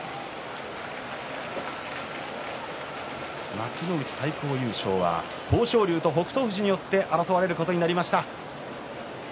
幕内最高優勝は豊昇龍と北勝富士によって争われることになりました。